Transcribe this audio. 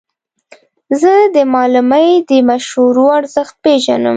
زه د معلمې د مشورو ارزښت پېژنم.